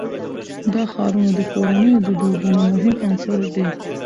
دا ښارونه د کورنیو د دودونو مهم عنصر دی.